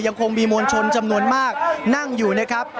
ยังคงมีมวลชนจำนวนมากนั่งอยู่นะครับ